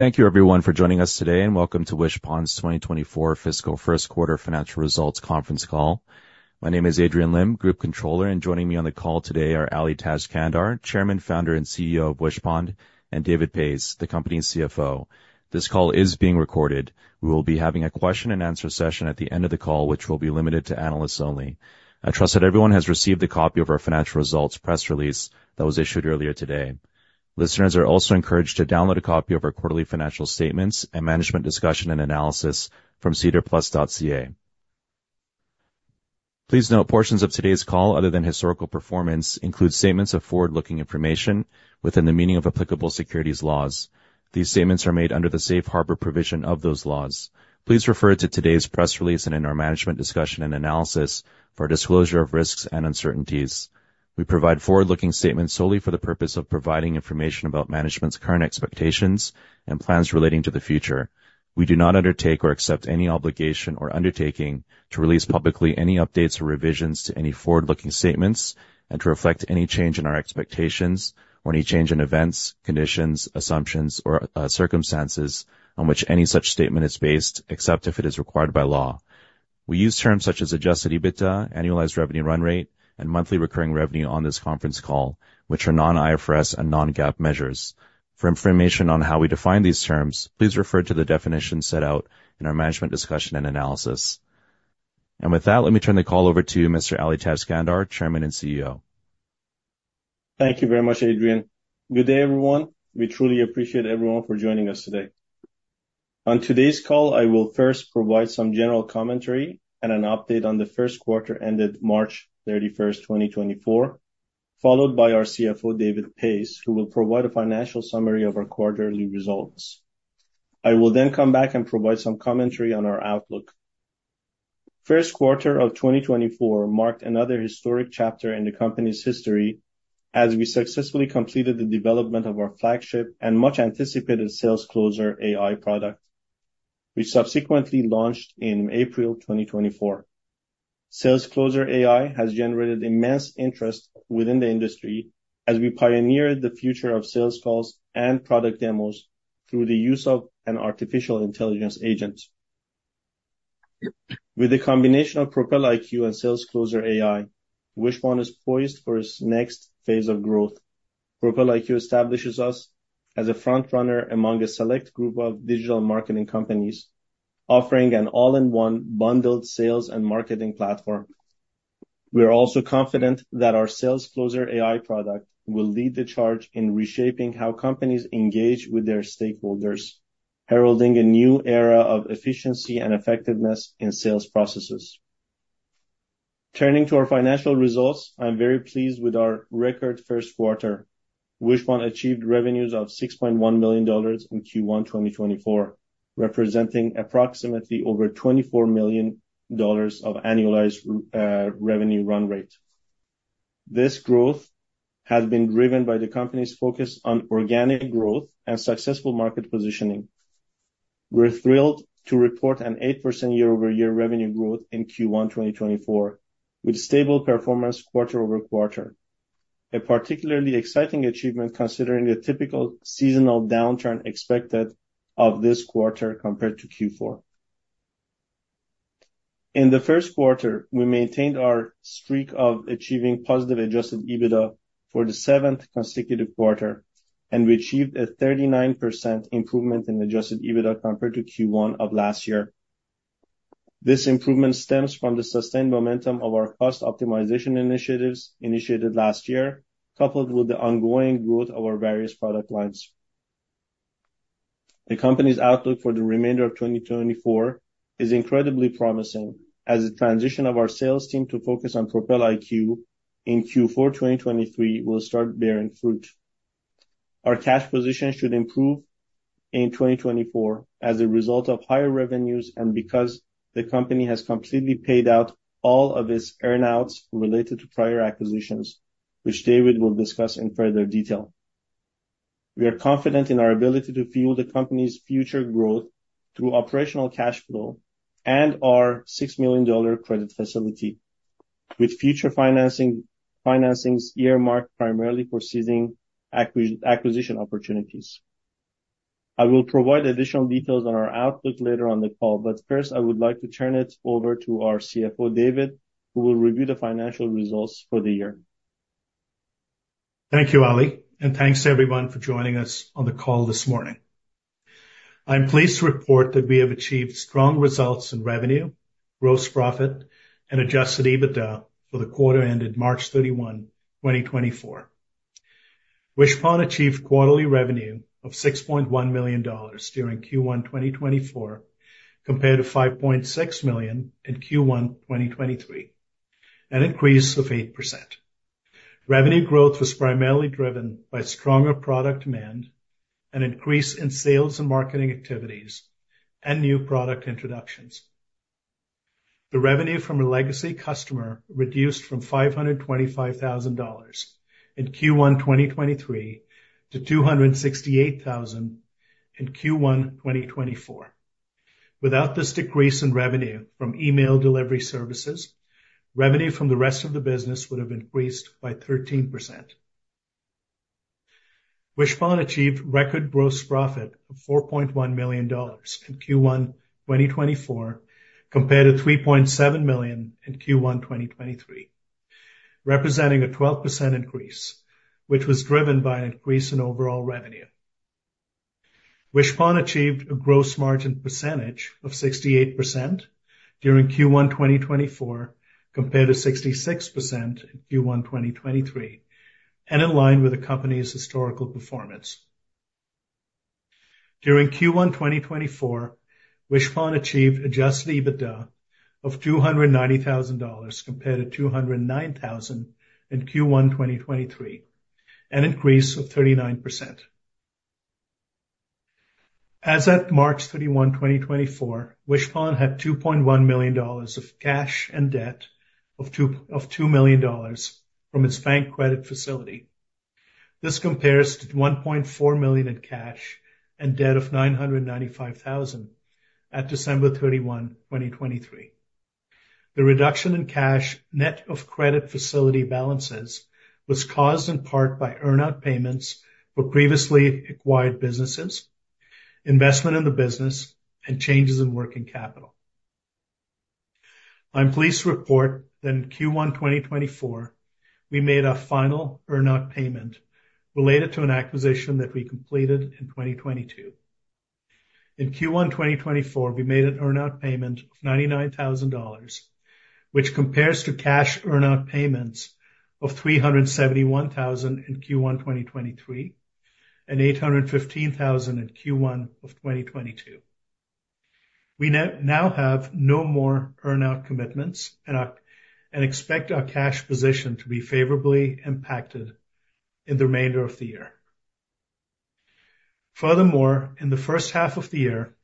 Thank you everyone for joining us today, and welcome to Wishpond's 2024 fiscal first quarter financial results conference call. My name is Adrian Lim, Group Controller, and joining me on the call today are Ali Tajskandar, Chairman, Founder, and CEO of Wishpond, and David Pace, the Company's CFO. This call is being recorded. We will be having a question and answer session at the end of the call, which will be limited to analysts only. I trust that everyone has received a copy of our financial results press release that was issued earlier today. Listeners are also encouraged to download a copy of our quarterly financial statements and management discussion and analysis from sedarplus.ca. Please note, portions of today's call other than historical performance include statements of forward-looking information within the meaning of applicable securities laws. These statements are made under the safe harbor provision of those laws. Please refer to today's press release and in our management discussion and analysis for disclosure of risks and uncertainties. We provide forward-looking statements solely for the purpose of providing information about management's current expectations and plans relating to the future. We do not undertake or accept any obligation or undertaking to release publicly any updates or revisions to any forward-looking statements and to reflect any change in our expectations or any change in events, conditions, assumptions, or circumstances on which any such statement is based, except if it is required by law. We use terms such as Adjusted EBITDA, Annualized Revenue Run Rate, and Monthly Recurring Revenue on this conference call, which are non-IFRS and non-GAAP measures. For information on how we define these terms, please refer to the definition set out in our management discussion and analysis. And with that, let me turn the call over to Mr. Ali Tajskandar, Chairman and CEO. Thank you very much, Adrian. Good day, everyone. We truly appreciate everyone for joining us today. On today's call, I will first provide some general commentary and an update on the first quarter ended March 31, 2024, followed by our CFO, David Pace, who will provide a financial summary of our quarterly results. I will then come back and provide some commentary on our outlook. First quarter of 2024 marked another historic chapter in the company's history as we successfully completed the development of our flagship and much-anticipated SalesCloser AI product, which subsequently launched in April 2024. SalesCloser AI has generated immense interest within the industry as we pioneered the future of sales calls and product demos through the use of an artificial intelligence agent. With a combination of PropelIQ and SalesCloser AI, Wishpond is poised for its next phase of growth. PropelIQ establishes us as a frontrunner among a select group of digital marketing companies, offering an all-in-one bundled sales and marketing platform. We are also confident that our SalesCloser AI product will lead the charge in reshaping how companies engage with their stakeholders, heralding a new era of efficiency and effectiveness in sales processes. Turning to our financial results, I'm very pleased with our record first quarter. Wishpond achieved revenues of $6.1 million in Q1 2024, representing approximately over $24 million of annualized revenue run rate. This growth has been driven by the company's focus on organic growth and successful market positioning. We're thrilled to report an 8% year-over-year revenue growth in Q1 2024, with stable performance quarter-over-quarter. A particularly exciting achievement, considering the typical seasonal downturn expected of this quarter compared to Q4. In the first quarter, we maintained our streak of achieving positive Adjusted EBITDA for the seventh consecutive quarter, and we achieved a 39% improvement in Adjusted EBITDA compared to Q1 of last year. This improvement stems from the sustained momentum of our cost optimization initiatives initiated last year, coupled with the ongoing growth of our various product lines. The company's outlook for the remainder of 2024 is incredibly promising, as the transition of our sales team to focus on PropelIQ in Q4 2023 will start bearing fruit. Our cash position should improve in 2024 as a result of higher revenues and because the company has completely paid out all of its earn-outs related to prior acquisitions, which David will discuss in further detail. We are confident in our ability to fuel the company's future growth through operational cash flow and our 6 million dollar credit facility, with future financings earmarked primarily for seizing acquisition opportunities. I will provide additional details on our outlook later on the call, but first, I would like to turn it over to our CFO, David, who will review the financial results for the year. Thank you, Ali, and thanks to everyone for joining us on the call this morning. I'm pleased to report that we have achieved strong results in revenue, gross profit, and adjusted EBITDA for the quarter ended March 31, 2024. Wishpond achieved quarterly revenue of $6.1 million during Q1 2024, compared to $5.6 million in Q1 2023, an increase of 8%. Revenue growth was primarily driven by stronger product demand, an increase in sales and marketing activities, and new product introductions. The revenue from a legacy customer reduced from $525,000 in Q1 2023, to $268,000 in Q1 2024.... Without this decrease in revenue from email delivery services, revenue from the rest of the business would have increased by 13%. Wishpond achieved record gross profit of 4.1 million dollars in Q1 2024, compared to 3.7 million in Q1 2023, representing a 12% increase, which was driven by an increase in overall revenue. Wishpond achieved a gross margin percentage of 68% during Q1 2024, compared to 66% in Q1 2023, and in line with the company's historical performance. During Q1 2024, Wishpond achieved Adjusted EBITDA of CAD 290 thousand, compared to CAD 209 thousand in Q1 2023, an increase of 39%. As at March 31, 2024, Wishpond had 2.1 million dollars of cash and debt of 2 million dollars from its bank credit facility. This compares to 1.4 million in cash and debt of 995 thousand at December 31, 2023. The reduction in cash net of credit facility balances was caused in part by earn-out payments for previously acquired businesses, investment in the business, and changes in working capital. I'm pleased to report that in Q1 2024, we made our final earn-out payment related to an acquisition that we completed in 2022. In Q1 2024, we made an earn-out payment of 99 thousand dollars, which compares to cash earn-out payments of 371 thousand in Q1 2023, and 815 thousand in Q1 of 2022. We now have no more earn-out commitments and expect our cash position to be favorably impacted in the remainder of the year. Furthermore, in the first half of the year,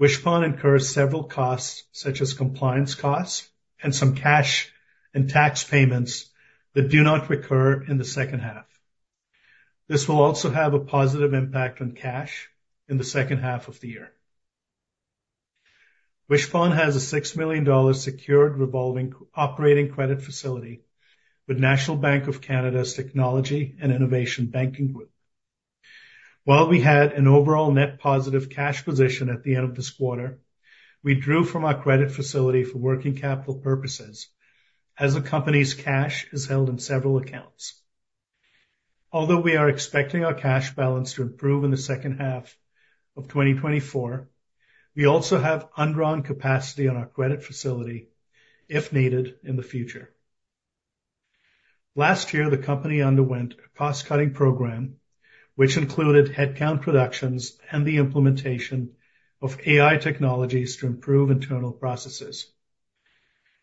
Wishpond incurred several costs, such as compliance costs and some cash and tax payments that do not recur in the second half. This will also have a positive impact on cash in the second half of the year. Wishpond has a 6 million dollars secured revolving operating credit facility with National Bank of Canada’s Technology and Innovation Banking Group. While we had an overall net positive cash position at the end of this quarter, we drew from our credit facility for working capital purposes, as the company’s cash is held in several accounts. Although we are expecting our cash balance to improve in the second half of 2024, we also have undrawn capacity on our credit facility if needed in the future. Last year, the company underwent a cost-cutting program, which included headcount reductions and the implementation of AI technologies to improve internal processes.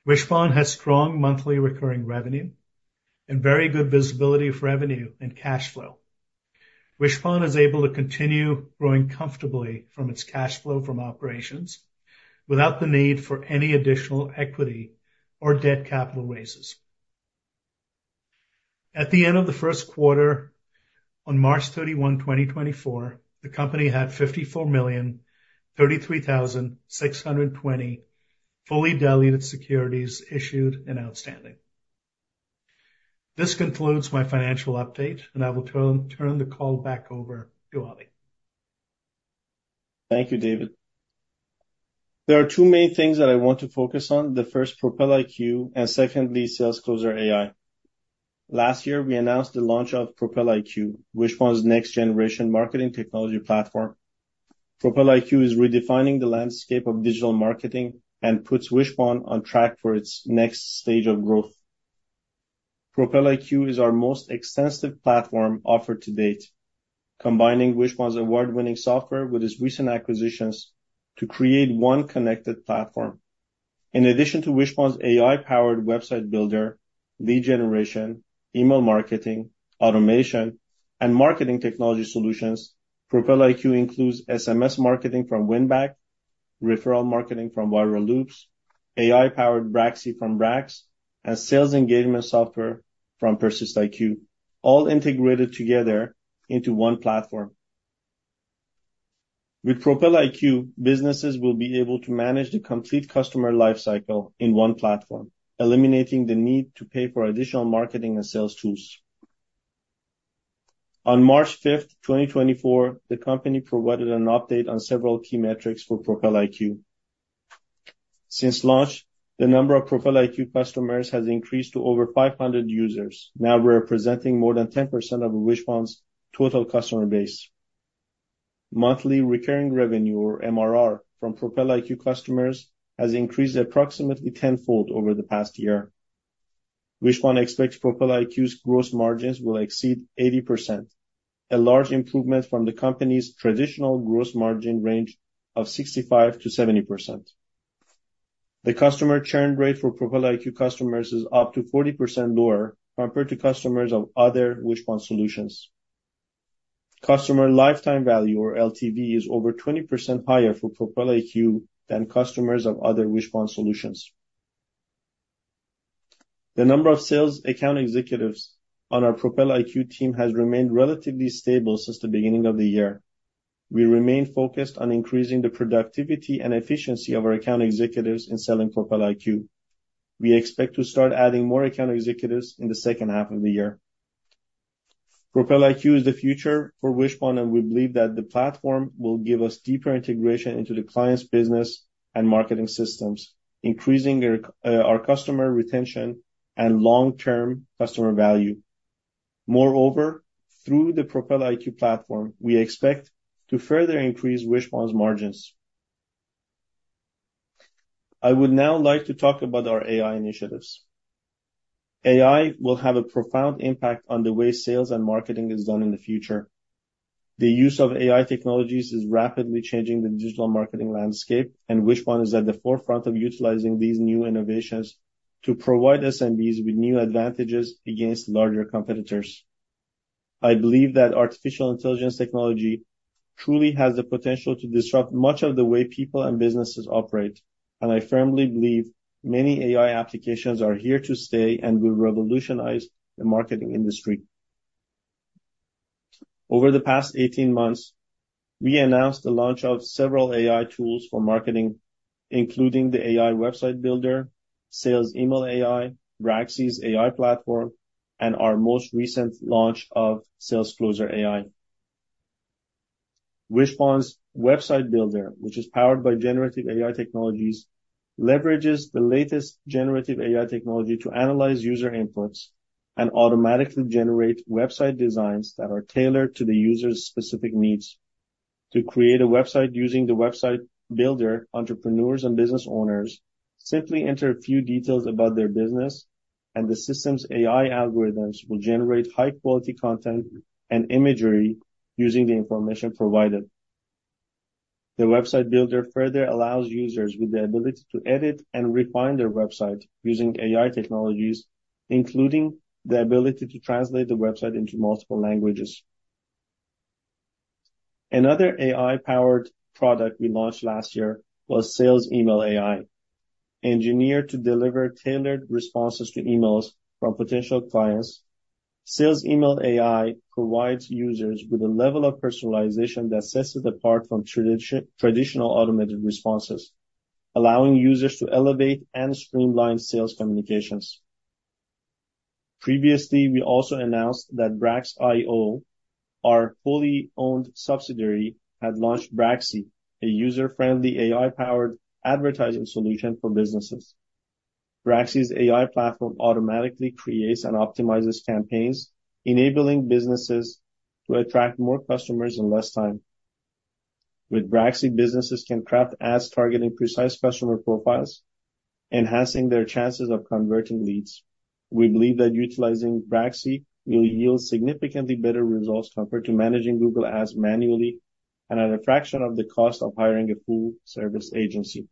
Wishpond has strong monthly recurring revenue and very good visibility of revenue and cash flow. Wishpond is able to continue growing comfortably from its cash flow from operations without the need for any additional equity or debt capital raises. At the end of the first quarter, on March 31, 2024, the company had 54,033,620 fully diluted securities issued and outstanding. This concludes my financial update, and I will turn the call back over to Ali. Thank you, David. There are two main things that I want to focus on. The first, Propel IQ, and secondly, SalesCloser AI. Last year, we announced the launch of Propel IQ, Wishpond's next-generation marketing technology platform. Propel IQ is redefining the landscape of digital marketing and puts Wishpond on track for its next stage of growth. Propel IQ is our most extensive platform offered to date, combining Wishpond's award-winning software with its recent acquisitions to create one connected platform. In addition to Wishpond's AI-powered website builder, lead generation, email marketing, automation, and marketing technology solutions, Propel IQ includes SMS marketing from Winback, referral marketing from Viral Loops, AI-powered Braxy from Brax, and sales engagement software from PersistIQ, all integrated together into one platform. With Propel IQ, businesses will be able to manage the complete customer life cycle in one platform, eliminating the need to pay for additional marketing and sales tools. On March 5, 2024, the company provided an update on several key metrics for Propel IQ. Since launch, the number of Propel IQ customers has increased to over 500 users, now representing more than 10% of Wishpond's total customer base. Monthly recurring revenue, or MRR, from Propel IQ customers has increased approximately tenfold over the past year. Wishpond expects Propel IQ's gross margins will exceed 80%, a large improvement from the company's traditional gross margin range of 65%-70%. The customer churn rate for Propel IQ customers is up to 40% lower compared to customers of other Wishpond solutions. Customer lifetime value, or LTV, is over 20% higher for Propel IQ than customers of other Wishpond solutions. The number of sales account executives on our Propel IQ team has remained relatively stable since the beginning of the year. We remain focused on increasing the productivity and efficiency of our account executives in selling Propel IQ. We expect to start adding more account executives in the second half of the year. Propel IQ is the future for Wishpond, and we believe that the platform will give us deeper integration into the client's business and marketing systems, increasing our, our customer retention and long-term customer value. Moreover, through the Propel IQ platform, we expect to further increase Wishpond's margins. I would now like to talk about our AI initiatives. AI will have a profound impact on the way sales and marketing is done in the future. The use of AI technologies is rapidly changing the digital marketing landscape, and Wishpond is at the forefront of utilizing these new innovations to provide SMBs with new advantages against larger competitors. I believe that artificial intelligence technology truly has the potential to disrupt much of the way people and businesses operate, and I firmly believe many AI applications are here to stay and will revolutionize the marketing industry. Over the past 18 months, we announced the launch of several AI tools for marketing, including the AI Website Builder, Sales Email AI, Braxy's AI platform, and our most recent launch of SalesCloser AI. Wishpond's Website Builder, which is powered by generative AI technologies, leverages the latest generative AI technology to analyze user inputs and automatically generate website designs that are tailored to the user's specific needs. To create a website using the Website Builder, entrepreneurs and business owners simply enter a few details about their business, and the system's AI algorithms will generate high-quality content and imagery using the information provided. The Website Builder further allows users with the ability to edit and refine their website using AI technologies, including the ability to translate the website into multiple languages. Another AI-powered product we launched last year was Sales Email AI, engineered to deliver tailored responses to emails from potential clients. Sales Email AI provides users with a level of personalization that sets it apart from traditional automated responses, allowing users to elevate and streamline sales communications. Previously, we also announced that Brax.io, our fully owned subsidiary, had launched Braxy, a user-friendly, AI-powered advertising solution for businesses. Braxy's AI platform automatically creates and optimizes campaigns, enabling businesses to attract more customers in less time. With Braxy, businesses can craft ads targeting precise customer profiles, enhancing their chances of converting leads. We believe that utilizing Braxy will yield significantly better results compared to managing Google Ads manually, and at a fraction of the cost of hiring a full-service agency.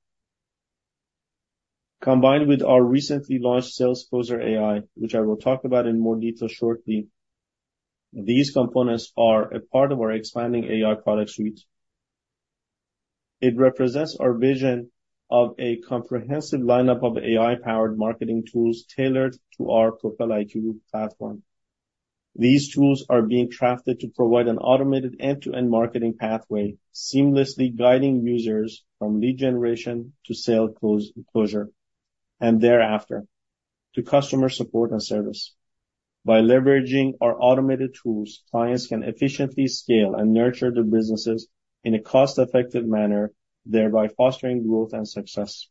Combined with our recently launched SalesCloser AI, which I will talk about in more detail shortly, these components are a part of our expanding AI product suite. It represents our vision of a comprehensive lineup of AI-powered marketing tools tailored to our Propel IQ platform. These tools are being crafted to provide an automated end-to-end marketing pathway, seamlessly guiding users from lead generation to sale close closure, and thereafter to customer support and service. By leveraging our automated tools, clients can efficiently scale and nurture their businesses in a cost-effective manner, thereby fostering growth and success.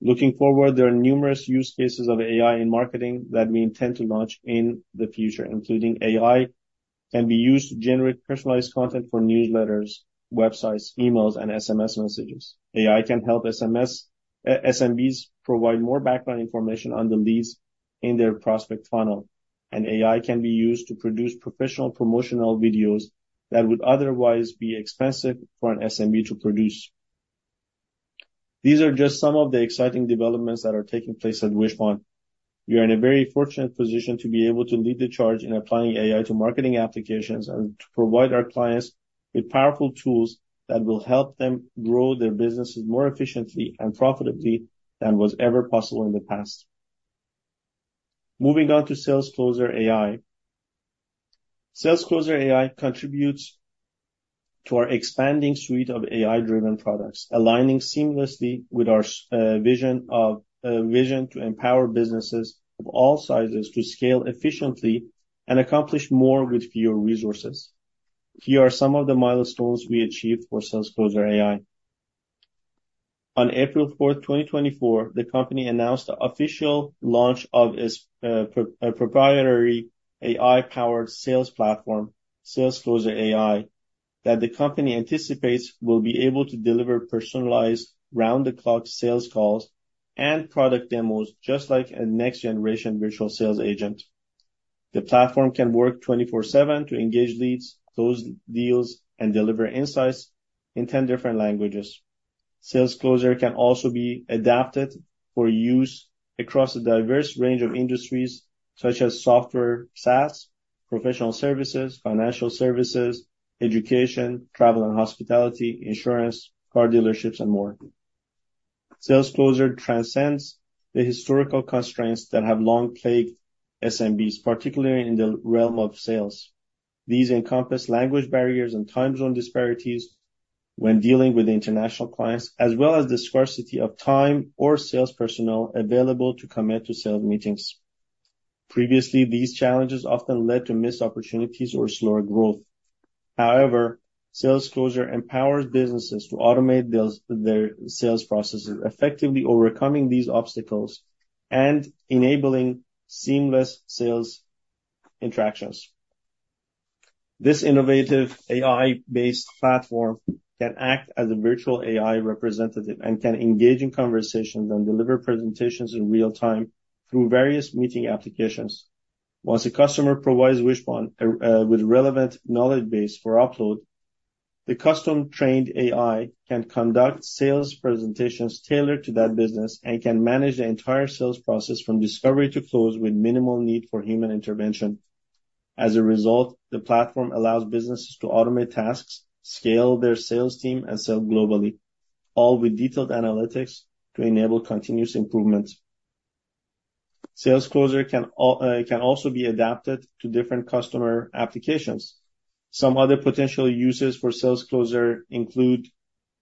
Looking forward, there are numerous use cases of AI in marketing that we intend to launch in the future, including AI can be used to generate personalized content for newsletters, websites, emails, and SMS messages. AI can help SMBs provide more background information on the leads in their prospect funnel, and AI can be used to produce professional promotional videos that would otherwise be expensive for an SMB to produce. These are just some of the exciting developments that are taking place at Wishpond. We are in a very fortunate position to be able to lead the charge in applying AI to marketing applications, and to provide our clients with powerful tools that will help them grow their businesses more efficiently and profitably than was ever possible in the past. Moving on to SalesCloser AI. SalesCloser AI contributes to our expanding suite of AI-driven products, aligning seamlessly with our vision to empower businesses of all sizes to scale efficiently and accomplish more with fewer resources. Here are some of the milestones we achieved for SalesCloser AI. On April 4, 2024, the company announced the official launch of its proprietary AI-powered sales platform, SalesCloser AI, that the company anticipates will be able to deliver personalized round-the-clock sales calls and product demos, just like a next-generation virtual sales agent. The platform can work 24/7 to engage leads, close deals, and deliver insights in 10 different languages. SalesCloser can also be adapted for use across a diverse range of industries, such as software, SaaS, professional services, financial services, education, travel and hospitality, insurance, car dealerships, and more. SalesCloser transcends the historical constraints that have long plagued SMBs, particularly in the realm of sales. These encompass language barriers and time zone disparities when dealing with international clients, as well as the scarcity of time or sales personnel available to commit to sales meetings. Previously, these challenges often led to missed opportunities or slower growth. However, SalesCloser empowers businesses to automate deals, their sales processes, effectively overcoming these obstacles and enabling seamless sales interactions. This innovative AI-based platform can act as a virtual AI representative and can engage in conversations and deliver presentations in real time through various meeting applications. Once a customer provides Wishpond with relevant knowledge base for upload, the custom-trained AI can conduct sales presentations tailored to that business and can manage the entire sales process from discovery to close, with minimal need for human intervention. As a result, the platform allows businesses to automate tasks, scale their sales team, and sell globally, all with detailed analytics to enable continuous improvement. SalesCloser can also be adapted to different customer applications. Some other potential uses for SalesCloser include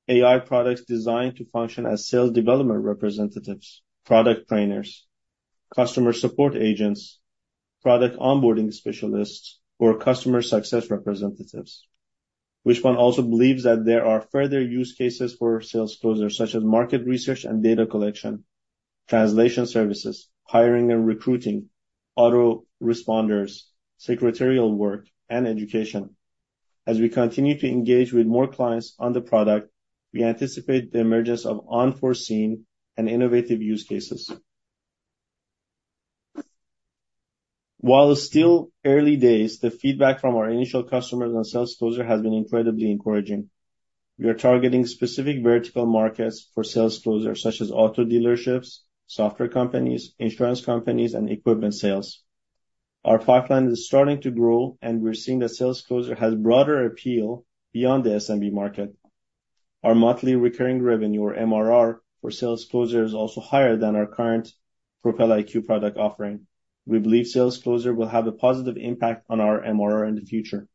AI products designed to function as sales development representatives, product trainers, customer support agents, product onboarding specialists, or customer success representatives. Wishpond also believes that there are further use cases for SalesCloser, such as market research and data collection, translation services, hiring and recruiting, autoresponders, secretarial work, and education. As we continue to engage with more clients on the product, we anticipate the emergence of unforeseen and innovative use cases. While it's still early days, the feedback from our initial customers on SalesCloser has been incredibly encouraging. We are targeting specific vertical markets for SalesCloser, such as auto dealerships, software companies, insurance companies, and equipment sales. Our pipeline is starting to grow, and we're seeing that SalesCloser has broader appeal beyond the SMB market. Our monthly recurring revenue, or MRR, for SalesCloser is also higher than our current Propel IQ product offering. We believe SalesCloser will have a positive impact on our MRR in the future.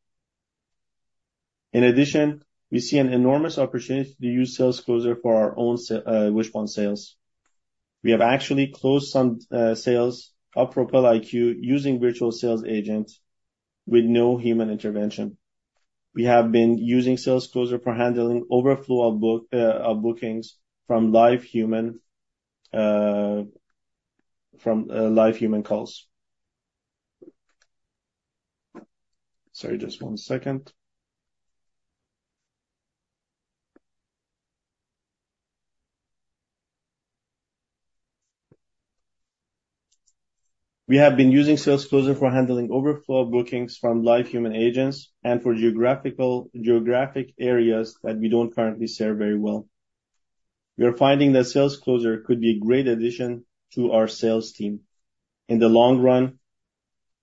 In addition, we see an enormous opportunity to use SalesCloser for our own Wishpond sales. We have actually closed some sales of Propel IQ using virtual sales agents with no human intervention. We have been using SalesCloser for handling overflow of bookings from live human calls. Sorry, just one second. We have been using SalesCloser for handling overflow of bookings from live human agents and for geographic areas that we don't currently serve very well. We are finding that SalesCloser could be a great addition to our sales team. In the long run,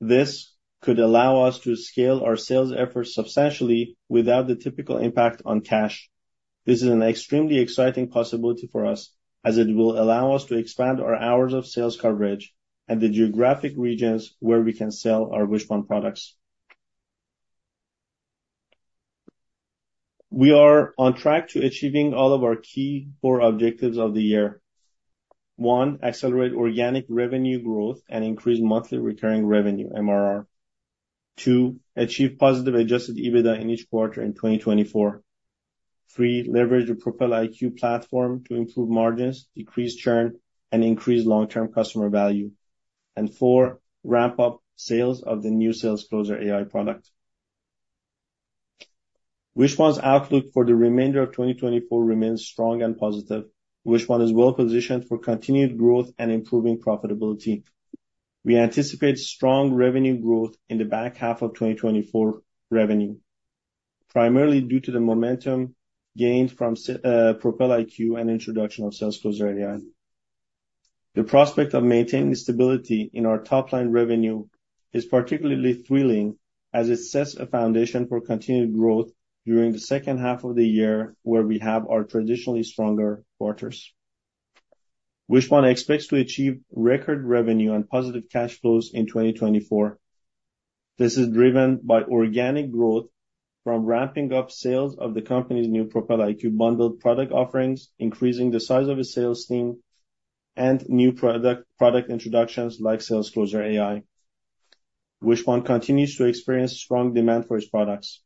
this could allow us to scale our sales efforts substantially without the typical impact on cash. This is an extremely exciting possibility for us, as it will allow us to expand our hours of sales coverage and the geographic regions where we can sell our Wishpond products. We are on track to achieving all of our key core objectives of the year. One, accelerate organic revenue growth and increase monthly recurring revenue, MRR. Two, achieve positive Adjusted EBITDA in each quarter in 2024. Three, leverage the Propel IQ platform to improve margins, decrease churn, and increase long-term customer value. And four, ramp up sales of the new SalesCloser AI product. Wishpond's outlook for the remainder of 2024 remains strong and positive. Wishpond is well positioned for continued growth and improving profitability. We anticipate strong revenue growth in the back half of 2024 revenue, primarily due to the momentum gained from Propel IQ and introduction of SalesCloser AI. The prospect of maintaining stability in our top-line revenue is particularly thrilling, as it sets a foundation for continued growth during the second half of the year, where we have our traditionally stronger quarters. Wishpond expects to achieve record revenue and positive cash flows in 2024. This is driven by organic growth from ramping up sales of the company's new Propel IQ bundled product offerings, increasing the size of its sales team, and new product, product introductions like SalesCloser AI. Wishpond continues to experience strong demand for its products.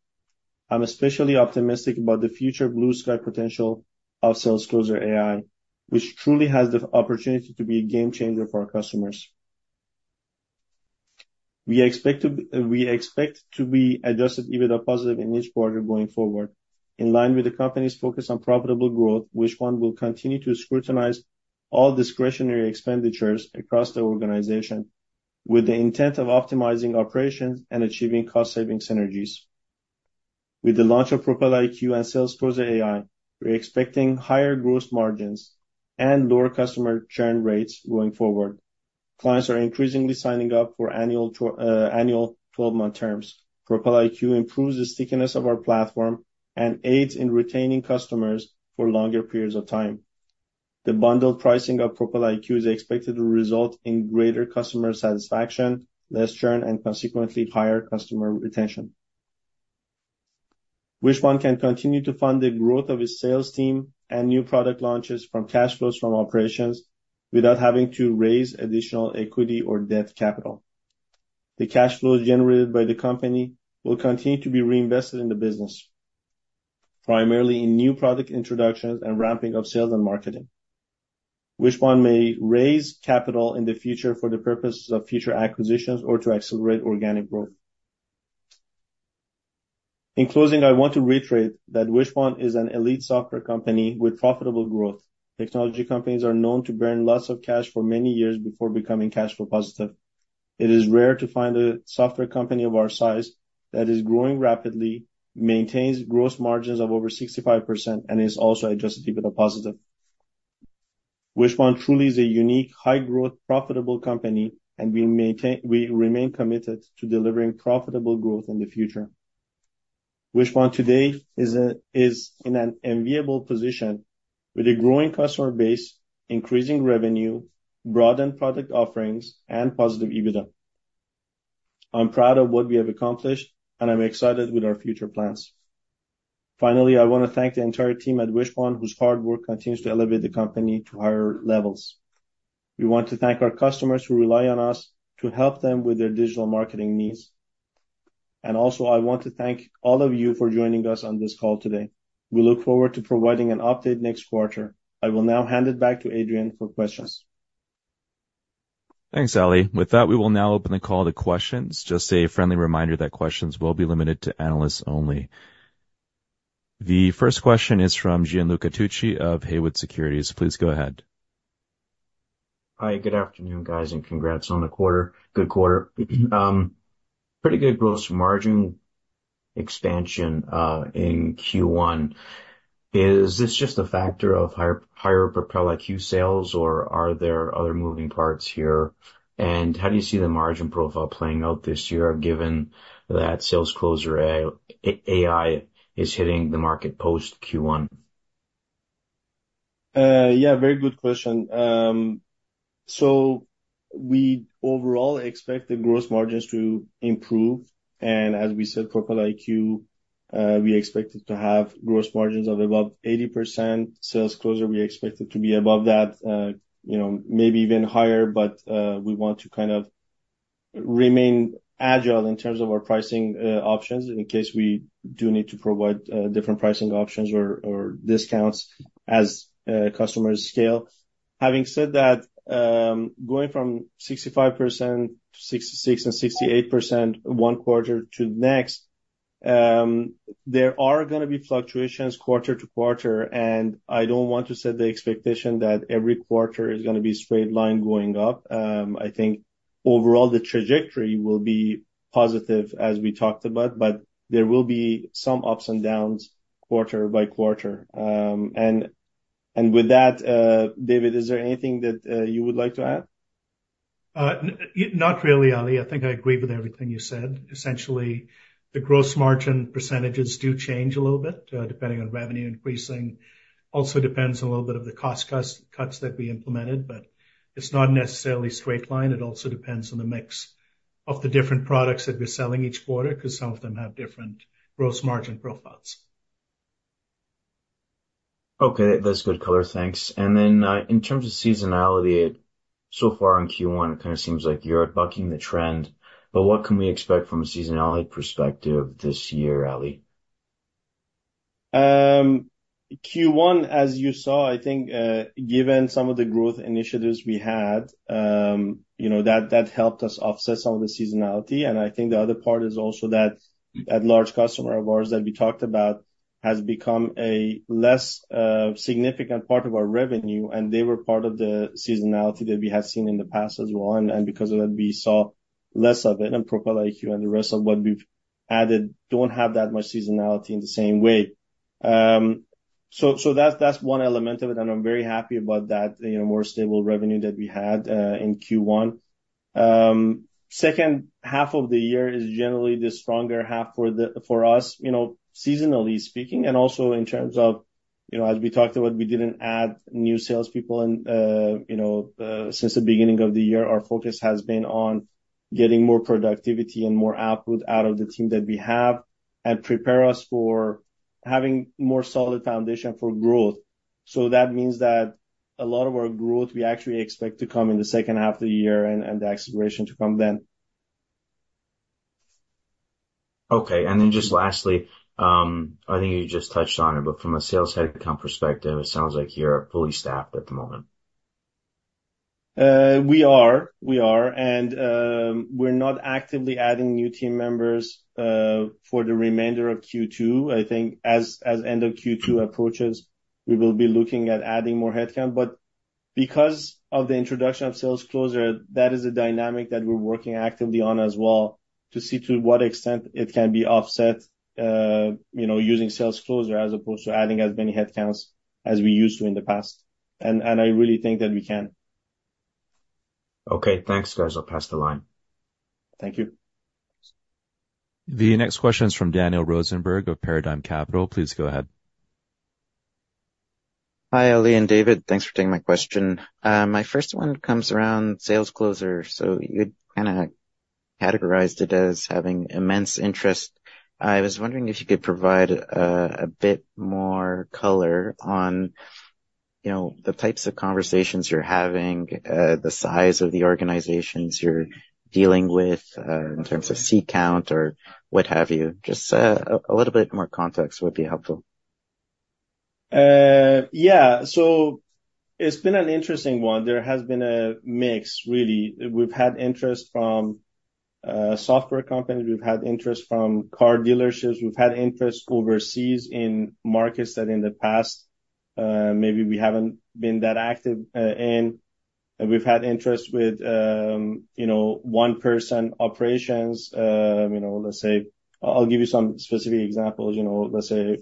I'm especially optimistic about the future blue sky potential of SalesCloser AI, which truly has the opportunity to be a game changer for our customers. We expect to be Adjusted EBITDA positive in each quarter going forward. In line with the company's focus on profitable growth, Wishpond will continue to scrutinize all discretionary expenditures across the organization with the intent of optimizing operations and achieving cost-saving synergies. With the launch of Propel IQ and SalesCloser AI, we're expecting higher gross margins and lower customer churn rates going forward. Clients are increasingly signing up for annual twelve-month terms. Propel IQ improves the stickiness of our platform and aids in retaining customers for longer periods of time. The bundled pricing of Propel IQ is expected to result in greater customer satisfaction, less churn, and consequently, higher customer retention. Wishpond can continue to fund the growth of its sales team and new product launches from cash flows from operations without having to raise additional equity or debt capital. The cash flows generated by the company will continue to be reinvested in the business, primarily in new product introductions and ramping of sales and marketing. Wishpond may raise capital in the future for the purposes of future acquisitions or to accelerate organic growth. In closing, I want to reiterate that Wishpond is an elite software company with profitable growth. Technology companies are known to burn lots of cash for many years before becoming cash flow positive. It is rare to find a software company of our size that is growing rapidly, maintains gross margins of over 65%, and is also Adjusted EBITDA positive. Wishpond truly is a unique, high-growth, profitable company, and we maintain - we remain committed to delivering profitable growth in the future. Wishpond today is a, is in an enviable position with a growing customer base, increasing revenue, broadened product offerings, and positive EBITDA. I'm proud of what we have accomplished, and I'm excited with our future plans. Finally, I want to thank the entire team at Wishpond, whose hard work continues to elevate the company to higher levels. We want to thank our customers who rely on us to help them with their digital marketing needs. Also, I want to thank all of you for joining us on this call today. We look forward to providing an update next quarter. I will now hand it back to Adrian for questions. Thanks, Ali. With that, we will now open the call to questions. Just a friendly reminder that questions will be limited to analysts only. The first question is from Gianluca Tucci of Haywood Securities. Please go ahead. Hi, good afternoon, guys, and congrats on the quarter. Good quarter. Pretty good Gross Margin expansion in Q1. Is this just a factor of higher Propel IQ sales, or are there other moving parts here? And how do you see the margin profile playing out this year, given that SalesCloser AI is hitting the market post Q1? Yeah, very good question. So we overall expect the gross margins to improve, and as we said, Propel IQ, we expect it to have gross margins of about 80%. SalesCloser, we expect it to be above that, you know, maybe even higher, but, we want to kind of remain agile in terms of our pricing options in case we do need to provide different pricing options or, or discounts as customers scale. Having said that, going from 65%, 66, and 68% one quarter to next, there are gonna be fluctuations quarter to quarter, and I don't want to set the expectation that every quarter is gonna be straight line going up. I think overall the trajectory will be positive, as we talked about, but there will be some ups and downs quarter by quarter. And with that, David, is there anything that you would like to add? Not really, Ali. I think I agree with everything you said. Essentially, the gross margin percentages do change a little bit, depending on revenue increasing. Also depends on a little bit of the cost cuts that we implemented, but it's not necessarily straight line. It also depends on the mix of the different products that we're selling each quarter, 'cause some of them have different gross margin profiles. Okay, that's good color. Thanks. And then, in terms of seasonality, so far in Q1, it kind of seems like you're bucking the trend, but what can we expect from a seasonality perspective this year, Ali? Q1, as you saw, I think, given some of the growth initiatives we had, you know, that, that helped us offset some of the seasonality. And I think the other part is also that, that large customer of ours that we talked about has become a less significant part of our revenue, and they were part of the seasonality that we had seen in the past as well. And because of that, we saw less of it, and Propel IQ and the rest of what we've added don't have that much seasonality in the same way. So, so that's, that's one element of it, and I'm very happy about that, you know, more stable revenue that we had in Q1. Second half of the year is generally the stronger half for us, you know, seasonally speaking, and also in terms of, you know, as we talked about, we didn't add new salespeople and, you know, since the beginning of the year, our focus has been on getting more productivity and more output out of the team that we have and prepare us for having more solid foundation for growth. So that means that a lot of our growth, we actually expect to come in the second half of the year and, and the acceleration to come then. Okay. And then just lastly, I think you just touched on it, but from a sales headcount perspective, it sounds like you're fully staffed at the moment. We are. And, we're not actively adding new team members for the remainder of Q2. I think as end of Q2 approaches, we will be looking at adding more headcount, but because of the introduction of SalesCloser, that is a dynamic that we're working actively on as well, to see to what extent it can be offset, you know, using SalesCloser as opposed to adding as many headcounts as we used to in the past. And I really think that we can. Okay, thanks, guys. I'll pass the line. Thank you. The next question is from Daniel Rosenberg of Paradigm Capital. Please go ahead. Hi, Ali and David. Thanks for taking my question. My first one comes around SalesCloser. So you kind of categorized it as having immense interest. I was wondering if you could provide a bit more color on, you know, the types of conversations you're having, the size of the organizations you're dealing with, in terms of seat count or what have you. Just a little bit more context would be helpful. Yeah. So it's been an interesting one. There has been a mix, really. We've had interest from software companies, we've had interest from car dealerships, we've had interest overseas in markets that in the past, maybe we haven't been that active in. And we've had interest with, you know, one-person operations. You know, let's say... I'll give you some specific examples. You know, let's say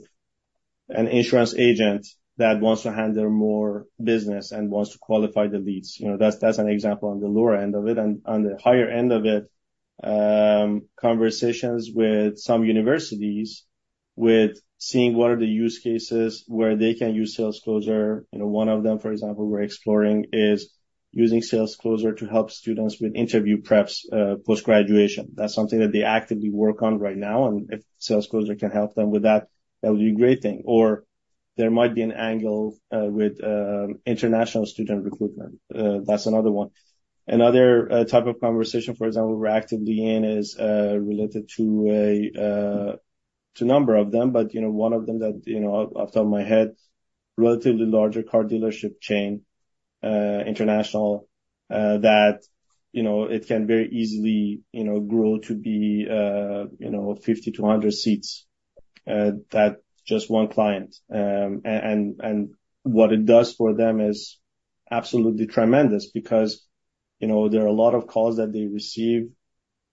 an insurance agent that wants to handle more business and wants to qualify the leads, you know, that's, that's an example on the lower end of it. And on the higher end of it, conversations with some universities with seeing what are the use cases where they can use SalesCloser. You know, one of them, for example, we're exploring, is using SalesCloser to help students with interview preps, post-graduation. That's something that they actively work on right now, and if SalesCloser can help them with that, that would be a great thing. Or there might be an angle with international student recruitment. That's another one. Another type of conversation, for example, we're actively in is related to a number of them. But, you know, one of them that, you know, off the top of my head, relatively larger car dealership chain, international, that, you know, it can very easily, you know, grow to be 50-100 seats. That's just one client. And what it does for them is absolutely tremendous because, you know, there are a lot of calls that they receive,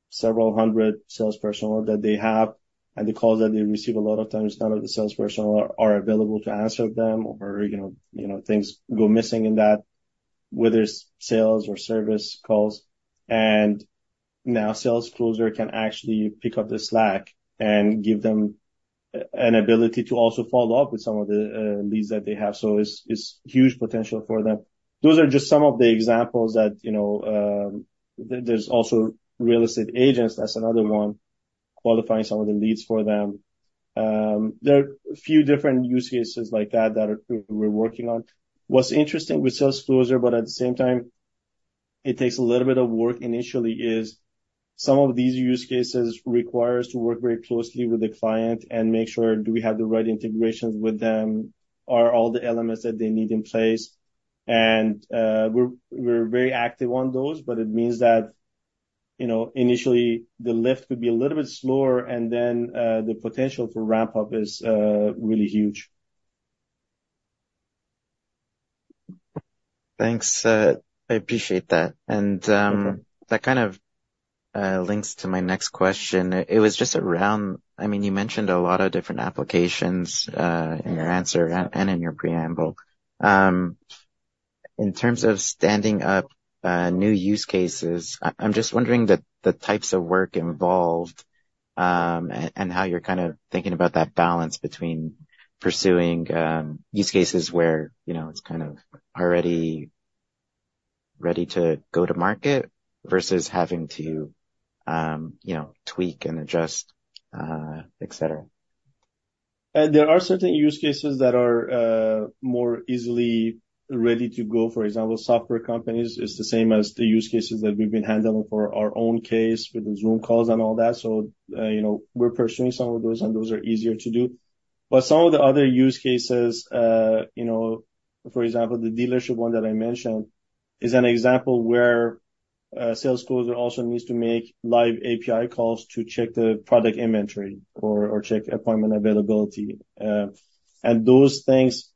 several hundred sales personnel that they have, and the calls that they receive, a lot of times, none of the sales personnel are available to answer them or, you know, things go missing in that, whether it's sales or service calls. And now SalesCloser can actually pick up the slack and give them an ability to also follow up with some of the leads that they have. So it's huge potential for them. Those are just some of the examples that, you know... There's also real estate agents, that's another one, qualifying some of the leads for them. There are a few different use cases like that that we're working on. What's interesting with SalesCloser, but at the same time it takes a little bit of work initially, is some of these use cases require us to work very closely with the client and make sure, do we have the right integrations with them? Are all the elements that they need in place? And, we're very active on those, but it means that, you know, initially the lift could be a little bit slower and then, the potential for ramp up is, really huge. Thanks. I appreciate that. That kind of links to my next question. It was just around—I mean, you mentioned a lot of different applications in your answer and in your preamble. In terms of standing up new use cases, I'm just wondering the types of work involved and how you're kind of thinking about that balance between pursuing use cases where, you know, it's kind of already ready to go to market versus having to, you know, tweak and adjust, et cetera. There are certain use cases that are, more easily ready to go. For example, software companies, it's the same as the use cases that we've been handling for our own case with the Zoom calls and all that. So, you know, we're pursuing some of those, and those are easier to do. But some of the other use cases, you know, for example, the dealership one that I mentioned, is an example where, SalesCloser also needs to make live API calls to check the product inventory or, or check appointment availability. And those things,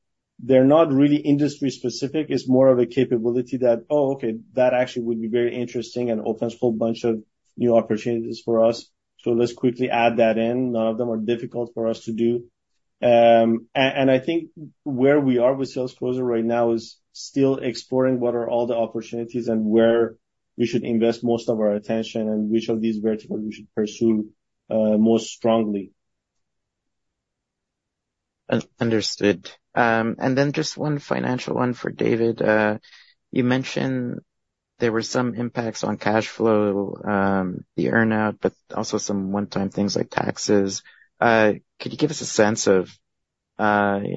they're not really industry specific. It's more of a capability that, oh, okay, that actually would be very interesting and opens a whole bunch of new opportunities for us. So let's quickly add that in. None of them are difficult for us to do. And I think where we are with SalesCloser right now is still exploring what are all the opportunities and where we should invest most of our attention and which of these verticals we should pursue more strongly. Understood. And then just one financial one for David. You mentioned there were some impacts on cash flow, the earnout, but also some one-time things like taxes. Could you give us a sense of, you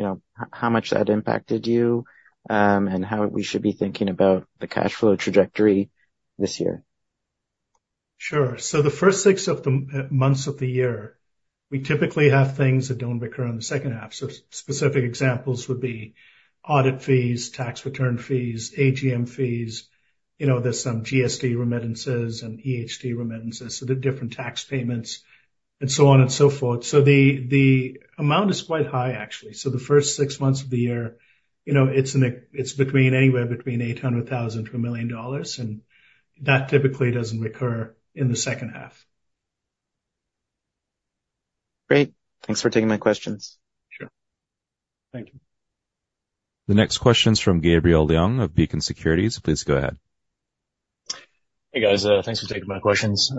know, how much that impacted you, and how we should be thinking about the cash flow trajectory this year? Sure. So the first six of the months of the year, we typically have things that don't recur in the second half. So specific examples would be audit fees, tax return fees, AGM fees, you know, there's some GST remittances and EHT remittances, so the different tax payments, and so on and so forth. So the amount is quite high, actually. So the first six months of the year, you know, it's between anywhere between 800,000-1 million dollars, and that typically doesn't recur in the second half. Great. Thanks for taking my questions. Sure. Thank you. The next question is from Gabriel Leung of Beacon Securities. Please go ahead. Hey, guys. Thanks for taking my questions.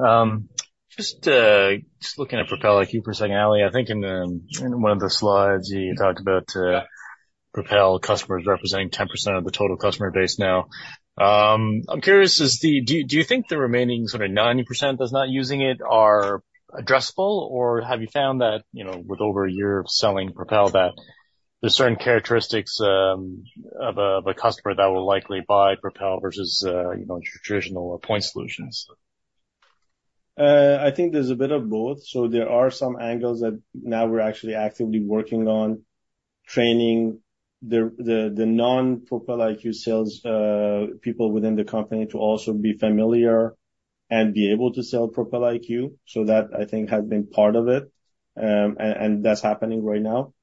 Just looking at Propel IQ for a second, Ali, I think in one of the slides, you talked about Propel customers representing 10% of the total customer base now. I'm curious. Do you think the remaining sort of 90% that's not using it are addressable? Or have you found that, you know, with over a year of selling Propel, that there's certain characteristics of a customer that will likely buy Propel versus, you know, traditional point solutions? I think there's a bit of both. So there are some angles that now we're actually actively working on training the non-Propel IQ sales people within the company to also be familiar and be able to sell Propel IQ. So that, I think, has been part of it. And that's happening right now.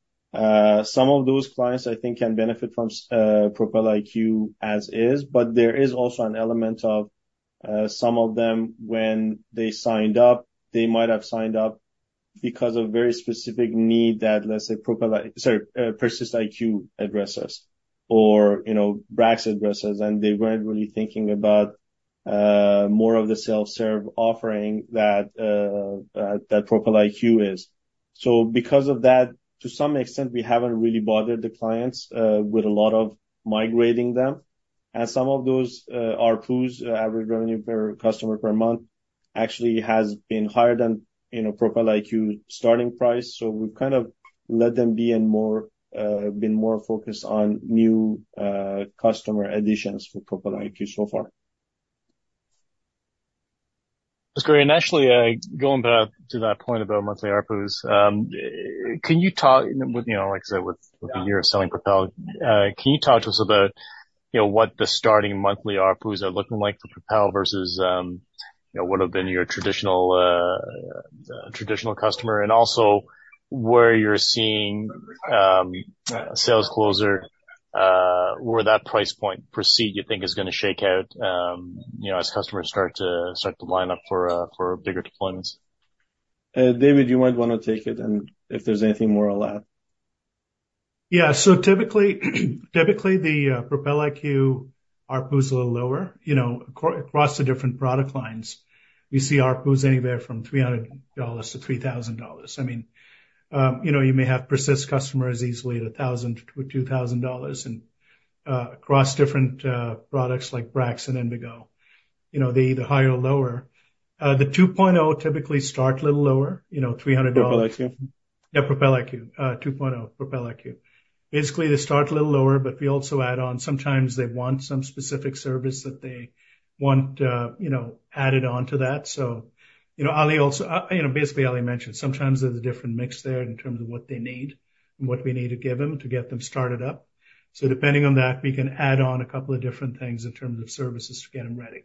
Some of those clients, I think, can benefit from Propel IQ as is, but there is also an element of some of them, when they signed up, they might have signed up because of very specific need that, let's say, Propel IQ, sorry, PersistIQ addresses or, you know, Brax addresses, and they weren't really thinking about more of the self-serve offering that Propel IQ is. So because of that, to some extent, we haven't really bothered the clients with a lot of migrating them. And some of those ARPUs, average revenue per customer per month, actually has been higher than, you know, Propel IQ starting price. So we've kind of let them be and more been more focused on new customer additions for Propel IQ so far. That's great. And actually, going back to that point about monthly ARPU's, can you talk, with, you know, like I said, with, with a year of selling Propel, can you talk to us about, you know, what the starting monthly ARPU's are looking like for Propel versus, you know, would have been your traditional, traditional customer, and also where you're seeing, SalesCloser, where that price point per seat, you think is gonna shake out, you know, as customers start to, start to line up for, for bigger deployments? David, you might want to take it and if there's anything more I'll add. Yeah. So typically, the Propel IQ ARPU is a little lower. You know, across the different product lines, we see ARPU anywhere from $300 to $3,000. I mean, you know, you may have persist customers easily at $1,000 to $2,000 and across different products like Brax and Invigo. You know, they either higher or lower. The 2.0 typically start a little lower, you know, $300- Propel IQ? Yeah, Propel IQ 2.0, Propel IQ. Basically, they start a little lower, but we also add on. Sometimes they want some specific service that they want, you know, added on to that. So, you know, Ali, also, you know, basically, Ali mentioned, sometimes there's a different mix there in terms of what they need and what we need to give them to get them started up. So depending on that, we can add on a couple of different things in terms of services to get them ready.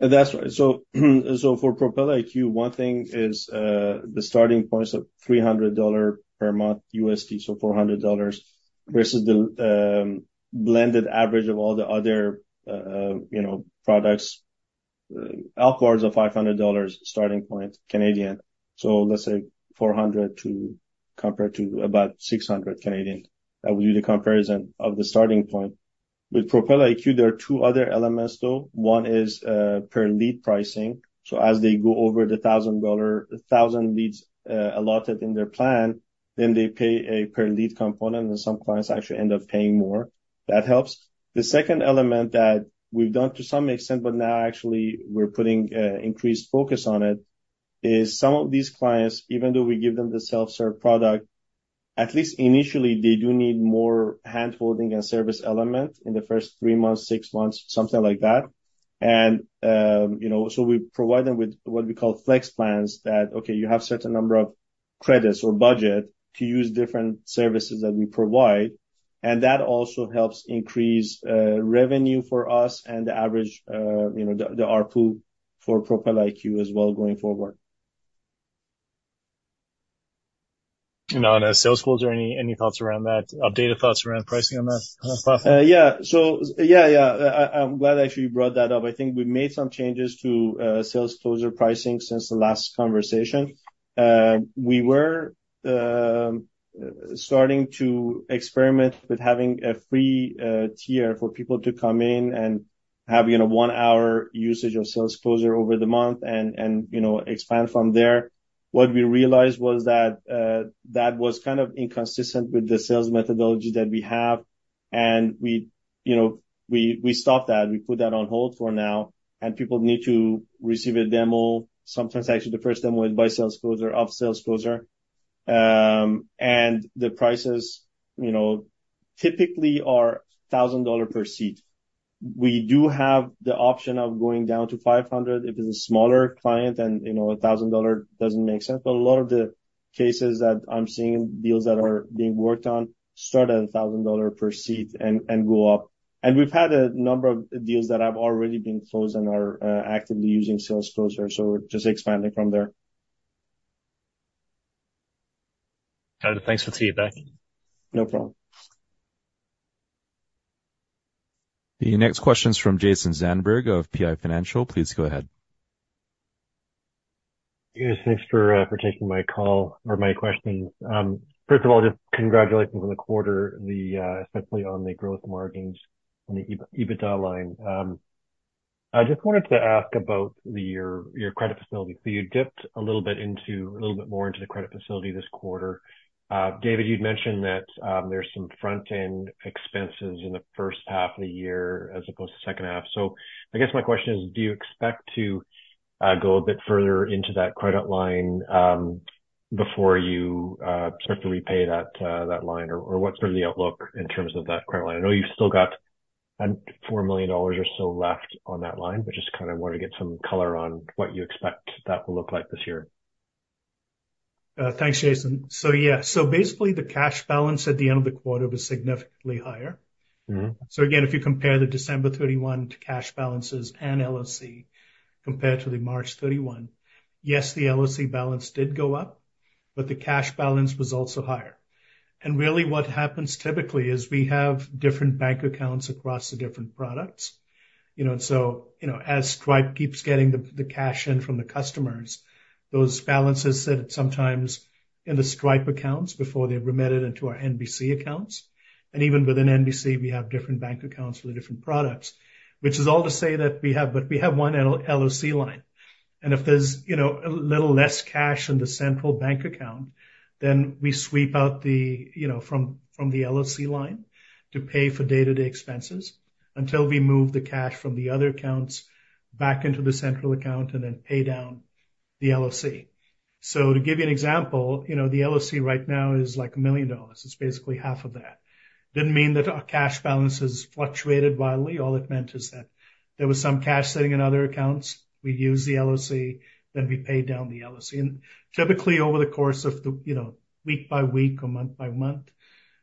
And that's right. So for Propel IQ, one thing is the starting point is a $300 dollar per month USD, so 400 dollars, versus the blended average of all the other you know products upwards of 500 dollars, starting point, Canadian. So let's say 400 to compared to about 600 Canadian. That will do the comparison of the starting point. With Propel IQ, there are two other elements, though. One is per lead pricing. So as they go over the $1,000 dollar, 1,000 leads allotted in their plan, then they pay a per lead component, and some clients actually end up paying more. That helps. The second element that we've done to some extent, but now actually we're putting increased focus on it, is some of these clients, even though we give them the self-serve product, at least initially, they do need more handholding and service element in the first three months, six months, something like that. And you know, so we provide them with what we call flex plans, that, okay, you have certain number of credits or budget to use different services that we provide, and that also helps increase revenue for us and the average you know the ARPU for Propel IQ as well going forward. And on SalesCloser AI, any thoughts around that? Updated thoughts around pricing on that platform? Yeah. So yeah, yeah, I, I'm glad actually you brought that up. I think we made some changes to SalesCloser pricing since the last conversation. We were starting to experiment with having a free tier for people to come in and have, you know, one hour usage of SalesCloser over the month and, and, you know, expand from there. What we realized was that that was kind of inconsistent with the sales methodology that we have, and we, you know, we, we stopped that. We put that on hold for now, and people need to receive a demo. Sometimes actually, the first demo is by SalesCloser, SalesCloser. And the prices, you know, typically are $1,000 per seat. We do have the option of going down to 500 if it's a smaller client, then, you know, a $1,000 doesn't make sense, but a lot of the cases that I'm seeing, deals that are being worked on, start at a $1,000 per seat and go up. And we've had a number of deals that have already been closed and are actively using SalesCloser, so just expanding from there. Got it. Thanks to you, beck. No problem. The next question's from Jason Zandberg of PI Financial. Please go ahead. Yes, thanks for taking my call or my questions. First of all, just congratulations on the quarter, especially on the growth margins on the EBITDA line. I just wanted to ask about your credit facility. So you dipped a little bit more into the credit facility this quarter. David, you'd mentioned that there's some front-end expenses in the first half of the year as opposed to second half. So I guess my question is, do you expect to go a bit further into that credit line before you start to repay that line? Or what's sort of the outlook in terms of that credit line? I know you've still got, 4 million dollars or so left on that line, but just kind of want to get some color on what you expect that will look like this year. Thanks, Jason. So yeah, so basically, the cash balance at the end of the quarter was significantly higher. So again, if you compare the December 31 to cash balances and LOC compared to the March 31, yes, the LOC balance did go up, but the cash balance was also higher. And really, what happens typically is we have different bank accounts across the different products, you know, and so, you know, as Stripe keeps getting the cash in from the customers, those balances sit sometimes in the Stripe accounts before they're remitted into our NBC accounts. And even within NBC, we have different bank accounts for the different products, which is all to say that but we have one LOC line. If there's, you know, a little less cash in the central bank account, then we sweep out the, you know, from the LOC line to pay for day-to-day expenses until we move the cash from the other accounts back into the central account and then pay down the LOC. To give you an example, you know, the LOC right now is, like, 1 million dollars. It's basically half of that. Didn't mean that our cash balances fluctuated wildly. All it meant is that there was some cash sitting in other accounts. We'd use the LOC, then we paid down the LOC. Typically, over the course of the, you know, week by week or month by month,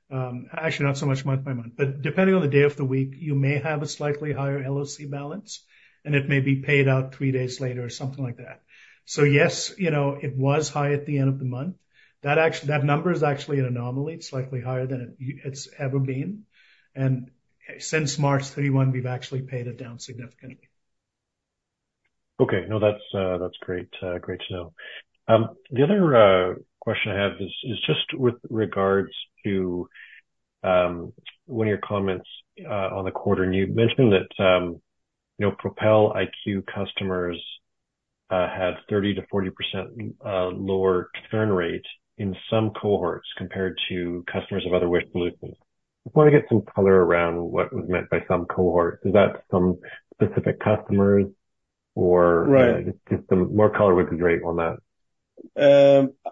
actually, not so much month by month, but depending on the day of the week, you may have a slightly higher LOC balance, and it may be paid out three days later or something like that. So, yes, you know, it was high at the end of the month. That actually, that number is actually an anomaly. It's slightly higher than it's ever been. Since March 31, we've actually paid it down significantly. Okay. No, that's great, great to know. The other question I have is just with regards to one of your comments on the quarter. You mentioned that, you know, Propel IQ customers have 30%-40% lower churn rate in some cohorts compared to customers of other solutions. Just want to get some color around what was meant by some cohorts. Is that some specific customers or- Right. Just some more color would be great on that.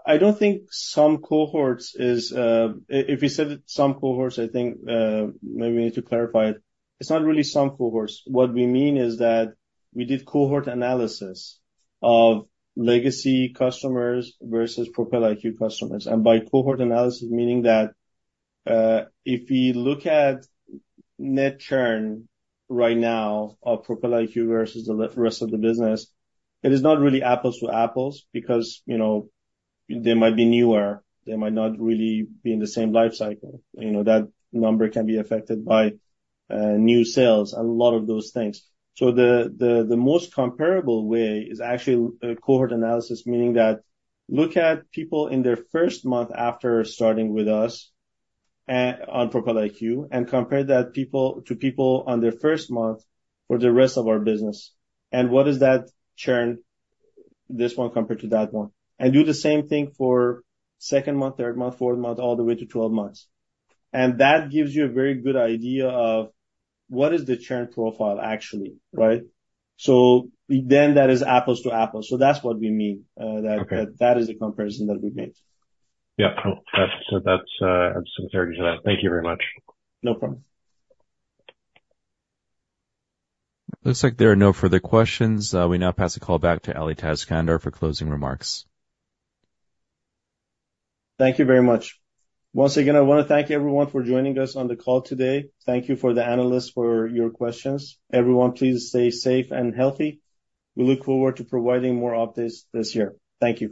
I don't think some cohorts is. If, if we said that some cohorts, I think, maybe we need to clarify it. It's not really some cohorts. What we mean is that we did cohort analysis of legacy customers versus Propel IQ customers. And by cohort analysis, meaning that, if we look at net churn right now of Propel IQ versus the rest of the business, it is not really apples to apples because, you know, they might be newer, they might not really be in the same life cycle. You know, that number can be affected by, new sales, a lot of those things. So the most comparable way is actually a cohort analysis, meaning that look at people in their first month after starting with us and on Propel IQ, and compare that people to people on their first month for the rest of our business. And what is that churn, this one compared to that one? And do the same thing for second month, third month, fourth month, all the way to 12 months. And that gives you a very good idea of what is the churn profile, actually, right? So then that is apples to apples. So that's what we mean. Okay. that is the comparison that we made. Yeah. Cool. That's, I'm clear to that. Thank you very much. No problem. Looks like there are no further questions. We now pass the call back to Ali Tajskandar for closing remarks. Thank you very much. Once again, I want to thank everyone for joining us on the call today. Thank you for the analysts, for your questions. Everyone, please stay safe and healthy. We look forward to providing more updates this year. Thank you.